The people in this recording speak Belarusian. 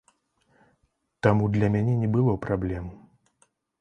Таму для мяне не было праблем.